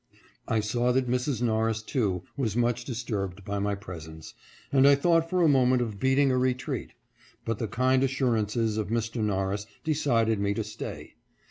I saw that Mrs. Norris, too, was much disturbed by my presence, and I thought for a moment of beating a retreat; but the kind assurances of Mr. Norris decided me to stay.